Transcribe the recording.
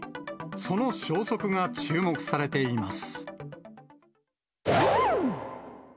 その消息が注目されています。